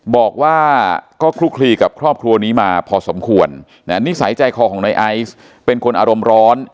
บอกว่าก็คลุกคลีกับครอบครัวนี้มาพอสมควรนิสัยใจคอของนายไอซ์เป็นคนอารมณ์ร้อน